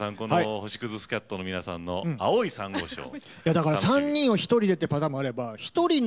星屑スキャットの皆さんの「青い珊瑚礁」を。